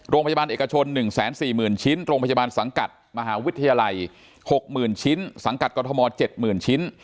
โรงพยาบาลเอกชน๑๔๐๐๐ชิ้นโรงพยาบาลสังกัดมหาวิทยาลัย๖๐๐๐ชิ้นสังกัดกรทม๗๐๐ชิ้น